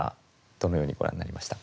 どのようにご覧になりましたか？